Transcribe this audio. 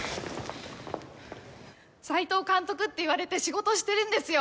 斎藤監督って言われて仕事してるんですよ！